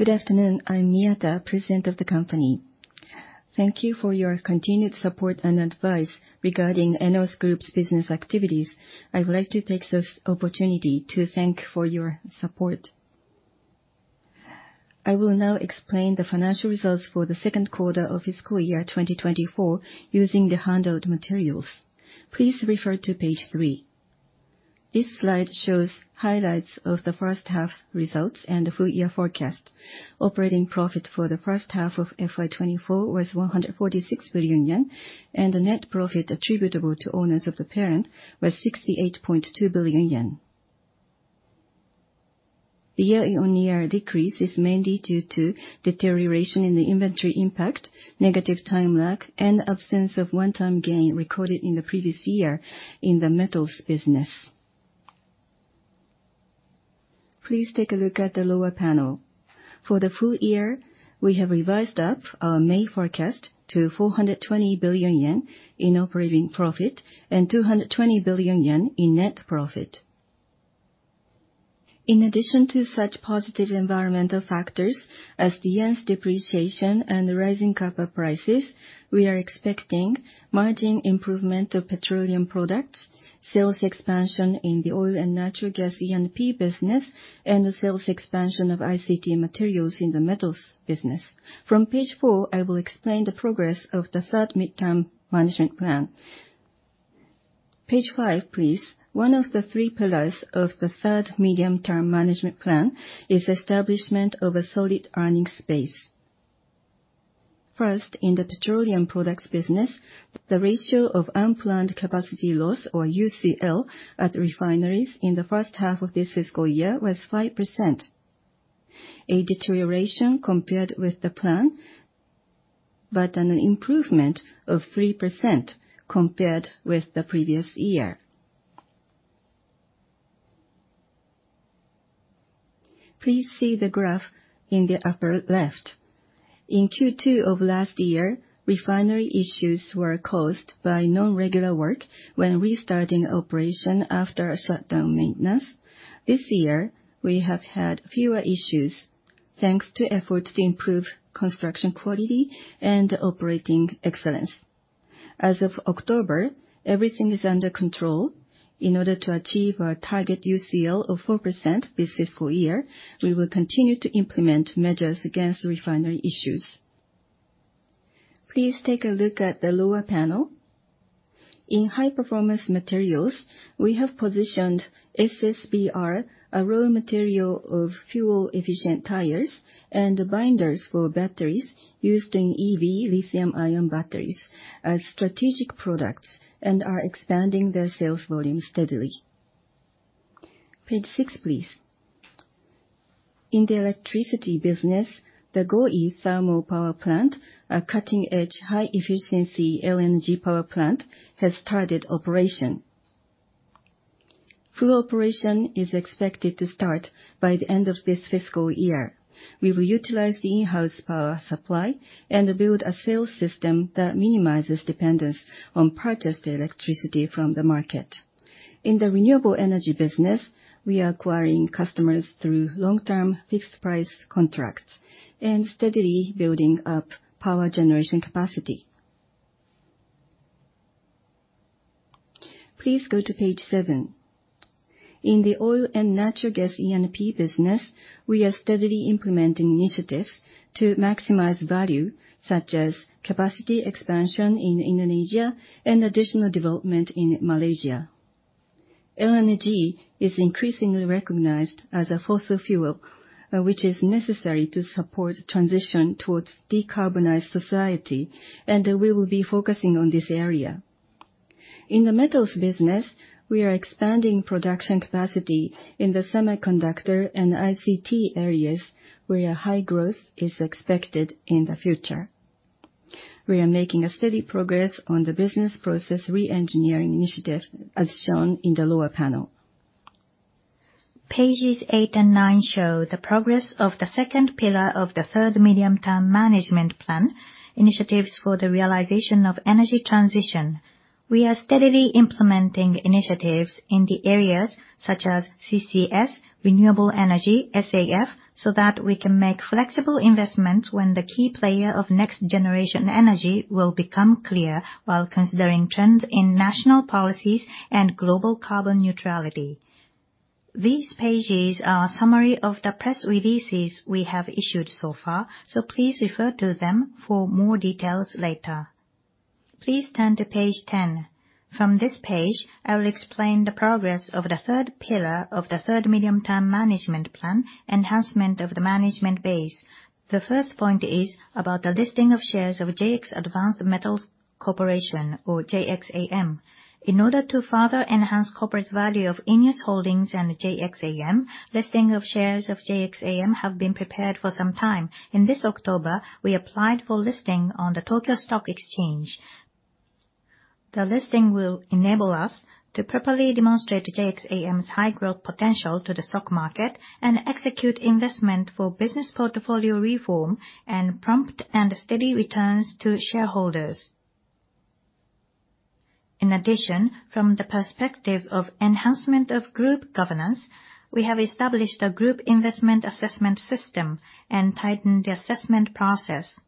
Good afternoon. I'm Miyata, President of the company. Thank you for your continued support and advice regarding ENEOS Group's business activities. I would like to take this opportunity to thank you for your support. I will now explain the financial results for the second quarter of fiscal year 2024 using the handout materials. Please refer to page 3. This slide shows highlights of the first half's results and the full year forecast. Operating profit for the first half of FY24 was 146 billion yen, and the net profit attributable to owners of the parent was 68.2 billion yen. The year-over-year decrease is mainly due to deterioration in the inventory impact, negative time lag, and absence of one-time gain recorded in the previous year in the metals business. Please take a look at the lower panel. For the full year, we have revised up our May forecast to 420 billion yen in operating profit and 220 billion yen in net profit. In addition to such positive environmental factors as the yen's depreciation and rising copper prices, we are expecting margin improvement of petroleum products, sales expansion in the oil and natural gas E&P business, and the sales expansion of ICT materials in the metals business. From page 4, I will explain the progress of the third medium-term management plan. Page 5, please. One of the three pillars of the third medium-term management plan is the establishment of a solid earning space. First, in the petroleum products business, the ratio of unplanned capacity loss, or UCL, at refineries in the first half of this fiscal year was 5%, a deterioration compared with the plan, but an improvement of 3% compared with the previous year. Please see the graph in the upper left. In Q2 of last year, refinery issues were caused by non-regular work when restarting operation after a shutdown maintenance. This year, we have had fewer issues thanks to efforts to improve construction quality and operating excellence. As of October, everything is under control. In order to achieve our target UCL of 4% this fiscal year, we will continue to implement measures against refinery issues. Please take a look at the lower panel. In high-performance materials, we have positioned SSBR, a raw material of fuel-efficient tires, and binders for batteries used in EV lithium-ion batteries, as strategic products, and are expanding their sales volume steadily. Page 6, please. In the electricity business, the Goi Thermal Power Plant, a cutting-edge, high-efficiency LNG power plant, has started operation. Full operation is expected to start by the end of this fiscal year. We will utilize the in-house power supply and build a sales system that minimizes dependence on purchased electricity from the market. In the renewable energy business, we are acquiring customers through long-term fixed-price contracts and steadily building up power generation capacity. Please go to page 7. In the oil and natural gas E&P business, we are steadily implementing initiatives to maximize value, such as capacity expansion in Indonesia and additional development in Malaysia. LNG is increasingly recognized as a fossil fuel, which is necessary to support the transition towards a decarbonized society, and we will be focusing on this area. In the metals business, we are expanding production capacity in the semiconductor and ICT areas, where high growth is expected in the future. We are making steady progress on the business process re-engineering initiative, as shown in the lower panel. Pages eight and nine show the progress of the second pillar of the third medium-term management plan, initiatives for the realization of energy transition. We are steadily implementing initiatives in the areas such as CCS, renewable energy, SAF, so that we can make flexible investments when the key player of next-generation energy will become clear while considering trends in national policies and global carbon neutrality. These pages are a summary of the press releases we have issued so far, so please refer to them for more details later. Please turn to page 10. From this page, I will explain the progress of the third pillar of the third medium-term management plan, enhancement of the management base. The first point is about the listing of shares of JX Advanced Metals Corporation, or JXAM. In order to further enhance corporate value of ENEOS Holdings and JXAM, listing of shares of JXAM has been prepared for some time. In this October, we applied for listing on the Tokyo Stock Exchange. The listing will enable us to properly demonstrate JXAM's high growth potential to the stock market and execute investment for business portfolio reform and prompt and steady returns to shareholders. In addition, from the perspective of enhancement of group governance, we have established a group investment assessment system and tightened the assessment process.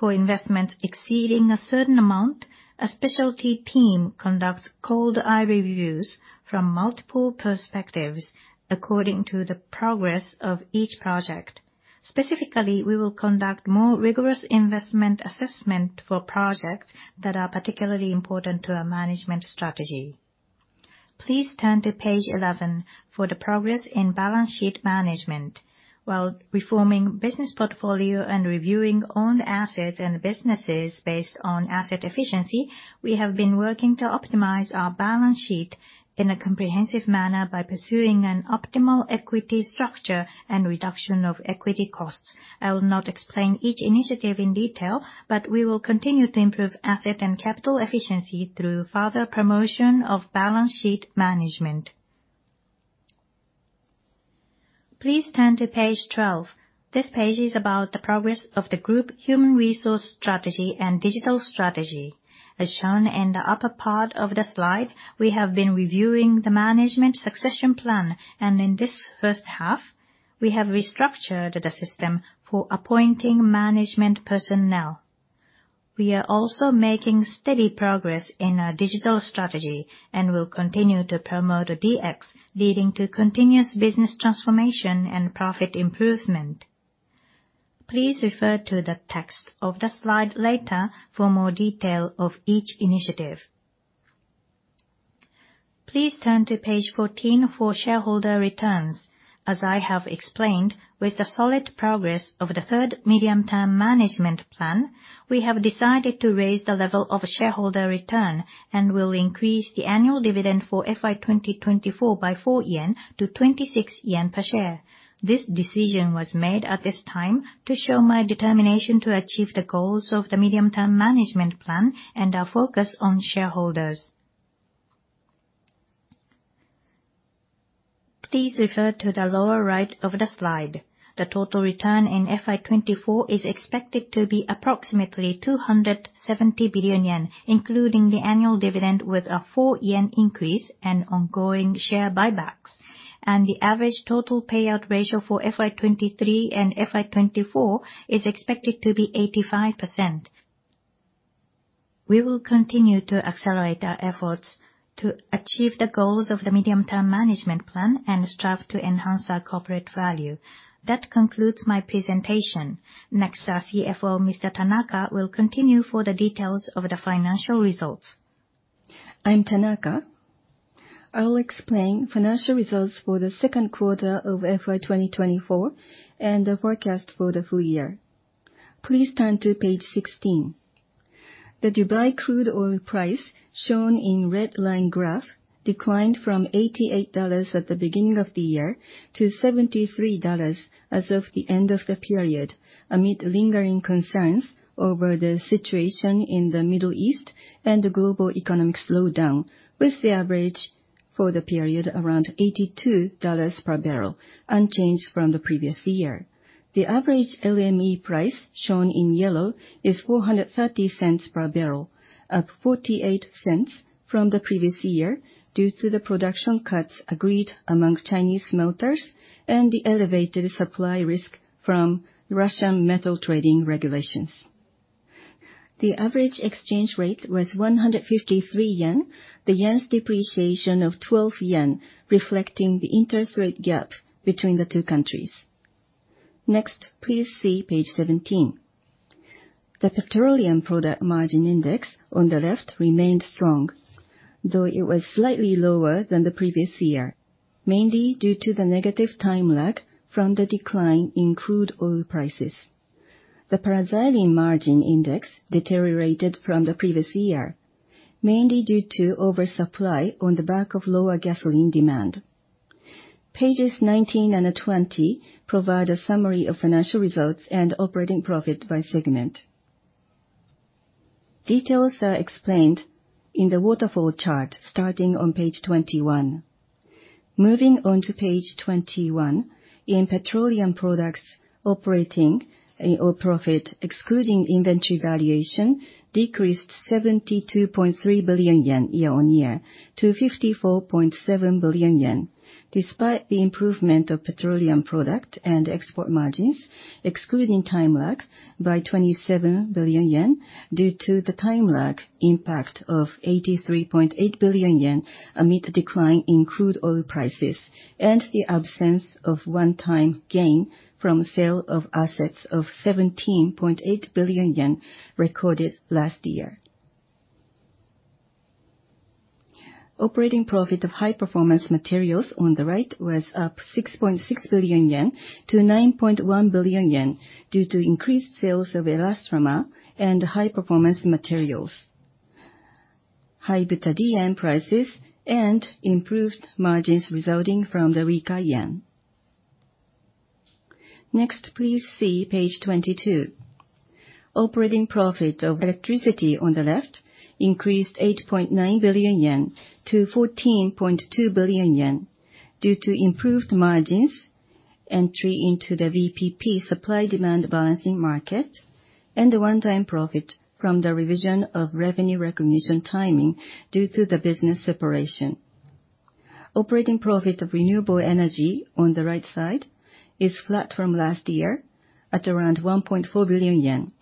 For investments exceeding a certain amount, a specialty team conducts cold eye reviews from multiple perspectives according to the progress of each project. Specifically, we will conduct more rigorous investment assessment for projects that are particularly important to our management strategy. Please turn to page 11 for the progress in balance sheet management. While reforming business portfolio and reviewing owned assets and businesses based on asset efficiency, we have been working to optimize our balance sheet in a comprehensive manner by pursuing an optimal equity structure and reduction of equity costs. I will not explain each initiative in detail, but we will continue to improve asset and capital efficiency through further promotion of balance sheet management. Please turn to page 12. This page is about the progress of the group human resource strategy and digital strategy. As shown in the upper part of the slide, we have been reviewing the management succession plan, and in this first half, we have restructured the system for appointing management personnel. We are also making steady progress in our digital strategy and will continue to promote DX, leading to continuous business transformation and profit improvement. Please refer to the text of the slide later for more detail of each initiative. Please turn to page 14 for shareholder returns. As I have explained, with the solid progress of the third medium-term management plan, we have decided to raise the level of shareholder return and will increase the annual dividend for FY2024 by 4 yen to 26 yen per share. This decision was made at this time to show my determination to achieve the goals of the medium-term management plan and our focus on shareholders. Please refer to the lower right of the slide. The total return in FY24 is expected to be approximately 270 billion yen, including the annual dividend with a 4 yen increase and ongoing share buybacks, and the average total payout ratio for FY23 and FY24 is expected to be 85%. We will continue to accelerate our efforts to achieve the goals of the medium-term management plan and strive to enhance our corporate value. That concludes my presentation. Next, our CFO, Mr. Tanaka, will continue for the details of the financial results. I'm Tanaka. I'll explain financial results for the second quarter of FY2024 and the forecast for the full year. Please turn to page 16. The Dubai crude oil price, shown in red line graph, declined from $88 at the beginning of the year to $73 as of the end of the period, amid lingering concerns over the situation in the Middle East and global economic slowdown, with the average for the period around $82 per barrel, unchanged from the previous year. The average LME price, shown in yellow, is $0.43 per barrel, up $0.48 from the previous year due to the production cuts agreed among Chinese smelters and the elevated supply risk from Russian metal trading regulations. The average exchange rate was ¥153, the yen's depreciation of ¥12, reflecting the interest rate gap between the two countries. Next, please see page 17. The petroleum product margin index on the left remained strong, though it was slightly lower than the previous year, mainly due to the negative time lag from the decline in crude oil prices. The petroleum margin index deteriorated from the previous year, mainly due to oversupply on the back of lower gasoline demand. Pages 19 and 20 provide a summary of financial results and operating profit by segment. Details are explained in the waterfall chart starting on page 21. Moving on to page 21, the operating profit in petroleum products, excluding inventory valuation, decreased 72.3 billion yen year-on-year to 54.7 billion yen. Despite the improvement of petroleum product and export margins, excluding time lag, by 27 billion yen due to the time lag impact of 83.8 billion yen amid decline in crude oil prices and the absence of one-time gain from sale of assets of 17.8 billion yen recorded last year. Operating profit of high-performance materials on the right was up 6.6 billion yen to 9.1 billion yen due to increased sales of elastomer and high-performance materials, high butadiene prices, and improved margins resulting from the weaker yen. Next, please see page 22. Operating profit of electricity on the left increased 8.9 billion yen to 14.2 billion yen due to improved margins, entry into the VPP supply-demand balancing market, and the one-time profit from the revision of revenue recognition timing due to the business separation. Operating profit of renewable energy on the right side is flat from last year at around 1.4 billion yen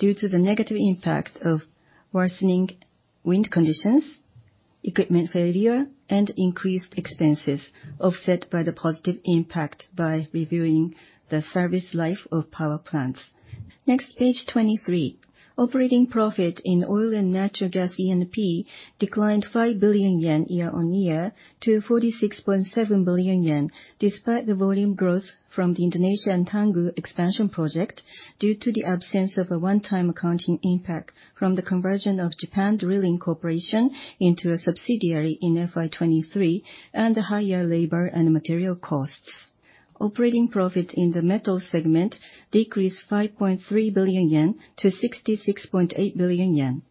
due to the negative impact of worsening wind conditions, equipment failure, and increased expenses offset by the positive impact by reviewing the service life of power plants. Next, page 23. Operating profit in oil and natural gas E&P declined 5 billion yen year-on-year to 46.7 billion yen despite the volume growth from the Indonesia and Tangguh expansion project due to the absence of a one-time accounting impact from the conversion of Japan Drilling Corporation into a subsidiary in FY 2023 and the higher labor and material costs. Operating profit in the metals segment decreased 5.3 billion yen to 66.8 billion yen,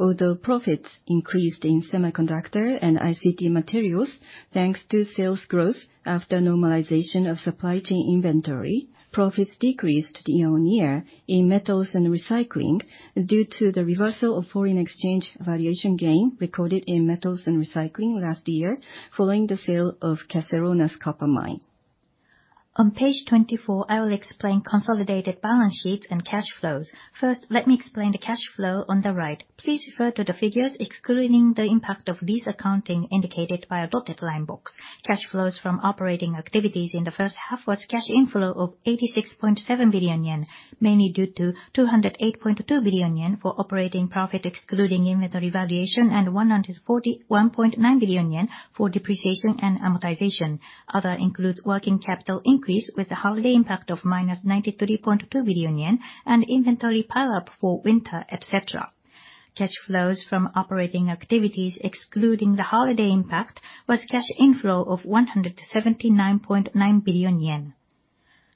although profits increased in semiconductor and ICT materials thanks to sales growth after normalization of supply chain inventory. Profits decreased year-on-year in metals and recycling due to the reversal of foreign exchange valuation gain recorded in metals and recycling last year following the sale of Caserones copper mine. On page 24, I will explain consolidated balance sheets and cash flows.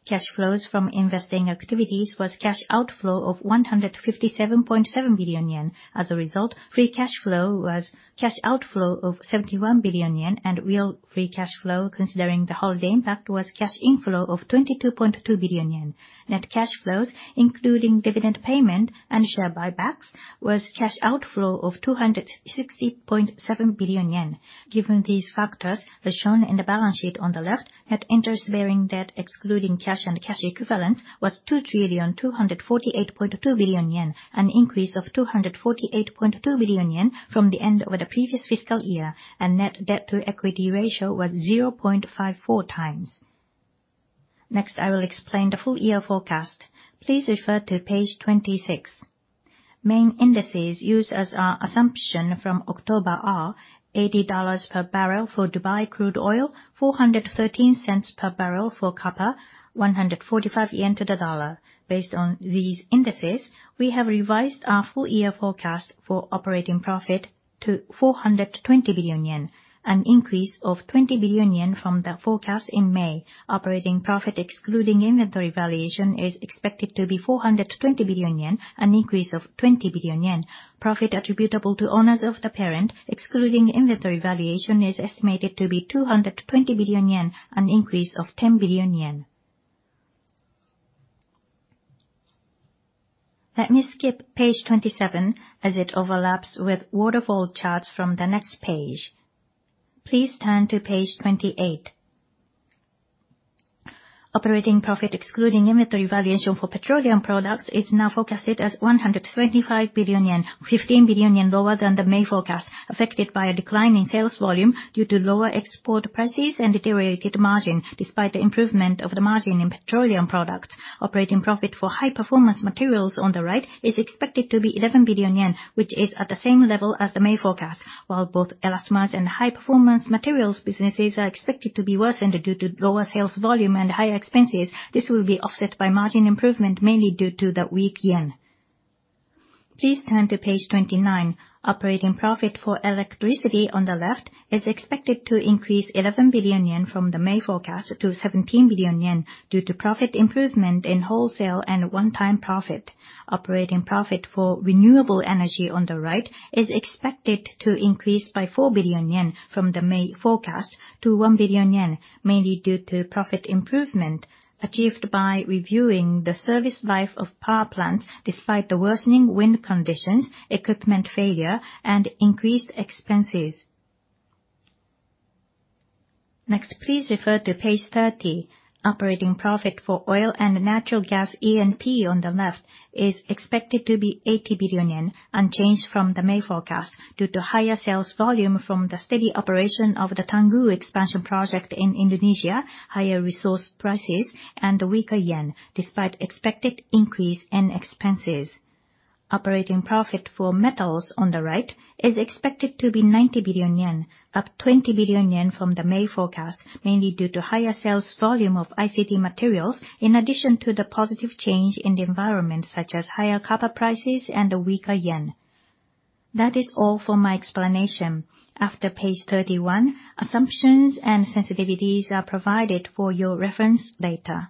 Cash flows from investing activities was cash outflow of 157.7 billion yen. As a result, free cash flow was cash outflow of 71 billion yen, and real free cash flow considering the holiday impact was cash inflow of 22.2 billion yen. Net cash flows, including dividend payment and share buybacks, was cash outflow of 260.7 billion yen. Given these factors, as shown in the balance sheet on the left, net interest bearing debt excluding cash and cash equivalents was 2,248.2 billion yen, an increase of 248.2 billion yen from the end of the previous fiscal year, and net debt-to-equity ratio was 0.54 times. Next, I will explain the full year forecast. Please refer to page 26. Main indices used as our assumption from October are: $80 per barrel for Dubai crude oil, 413 cents per barrel for copper, 145 yen to the dollar. Based on these indices, we have revised our full year forecast for operating profit to 420 billion yen, an increase of 20 billion yen from the forecast in May. Operating profit excluding inventory valuation is expected to be 420 billion yen, an increase of 20 billion yen. Profit attributable to owners of the parent excluding inventory valuation is estimated to be 220 billion yen, an increase of 10 billion yen. Let me skip page 27 as it overlaps with waterfall charts from the next page. Please turn to page 28. Operating profit excluding inventory valuation for petroleum products is now forecasted as 125 billion yen, 15 billion yen lower than the May forecast, affected by a decline in sales volume due to lower export prices and deteriorated margin, despite the improvement of the margin in petroleum products. Operating profit for high-performance materials on the right is expected to be 11 billion yen, which is at the same level as the May forecast. While both elastomers and high-performance materials businesses are expected to be worsened due to lower sales volume and higher expenses, this will be offset by margin improvement, mainly due to the weak yen. Please turn to page 29. Operating profit for electricity on the left is expected to increase 11 billion yen from the May forecast to 17 billion yen due to profit improvement in wholesale and one-time profit. Operating profit for renewable energy on the right is expected to increase by 4 billion yen from the May forecast to 1 billion yen, mainly due to profit improvement achieved by reviewing the service life of power plants despite the worsening wind conditions, equipment failure, and increased expenses. Next, please refer to page 30. Operating profit for oil and natural gas E&P on the left is expected to be 80 billion yen, unchanged from the May forecast, due to higher sales volume from the steady operation of the Tangguh expansion project in Indonesia, higher resource prices, and the weaker yen, despite expected increase in expenses. Operating profit for metals on the right is expected to be 90 billion yen, up 20 billion yen from the May forecast, mainly due to higher sales volume of ICT materials, in addition to the positive change in the environment, such as higher copper prices and a weaker yen. That is all for my explanation. After page 31, assumptions and sensitivities are provided for your reference later.